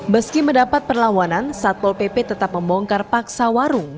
meski mendapat perlawanan satpol pp tetap membongkar paksa warung